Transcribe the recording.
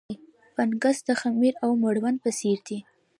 فنګس د خمیر او مړوند په څېر دي.